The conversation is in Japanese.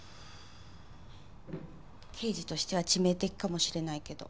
刑事としては致命的かもしれないけど。